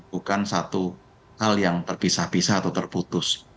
bukan satu hal yang terpisah pisah atau terputus